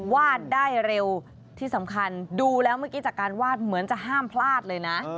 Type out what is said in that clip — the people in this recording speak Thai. วาดได้เร็วที่สำคัญดูแล้วเมื่อกี้จากการวาดเหมือนจะห้ามพลาดเลยนะ